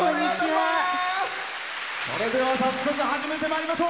それでは早速、始めてまいりましょう。